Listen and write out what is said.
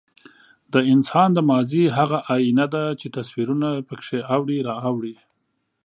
د انسان د ماضي هغه ایینه ده، چې تصویرونه پکې اوړي را اوړي.